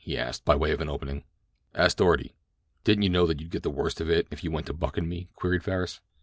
he asked, by way of an opening. "Ask Doarty." "Didn't you know that you'd get the worst of it if you went to buckin' me?" queried Farris.